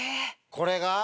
これが？